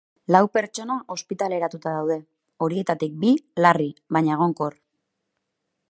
Lau pertsona ospitaleratuta daude, horietatik bi larri, baina egonkor.